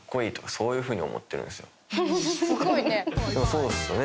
そうっすよね。